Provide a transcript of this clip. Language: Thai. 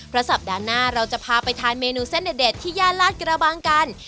เพราะสัปดาห์หน้าเราจะพาไปทานเมนูเส้นเด็ดที่ย่านลาดกระบังกัน